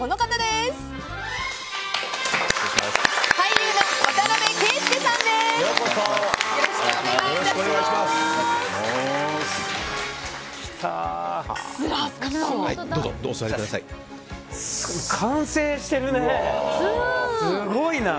すごいな。